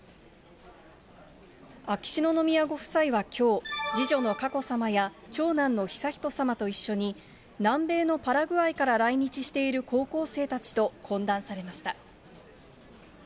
秋篠宮ご夫妻はきょう、次女の佳子さまや長男の悠仁さまと一緒に、南米のパラグアイから来日している高校生たちと懇談されました。